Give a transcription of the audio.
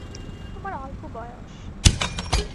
তোমার অল্প বয়স।